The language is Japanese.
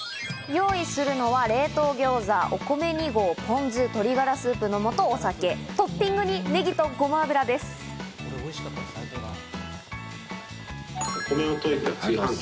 用意するのは冷凍餃子、お米２合、ポン酢、鶏がらスープのもと、お酒、トッピングにネギとごま油です。